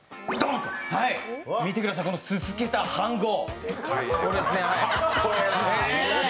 見てください、この、すすけた飯ごう。